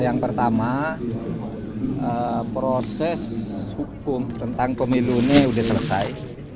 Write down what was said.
yang pertama proses hukum tentang pemilu ini sudah selesai